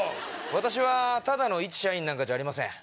私はただのいち社員なんかじゃありません。